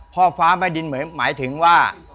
พ่อฟ้าแม่ดินเหมือนหมายถึงว่า